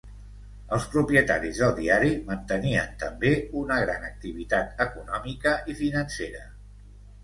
Els propietaris del diari mantenien també una gran activitat econòmica i financera.